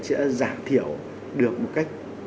sẽ giảm thiểu được một cách